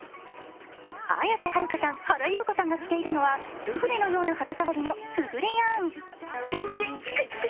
綾瀬はるかさん、原由子さんが着ているのはスフレのような肌触りのスフレヤーン。